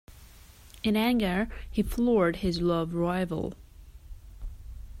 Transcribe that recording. In anger, he floored his love rival.